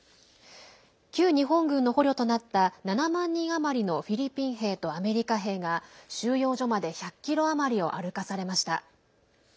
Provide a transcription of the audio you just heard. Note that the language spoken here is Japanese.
旧日本軍の捕虜となった７万人余りのフィリピン兵とアメリカ兵が収容所まで１００ｋｍ余りを歩かされました。